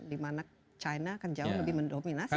dimana china akan jauh lebih mendominasi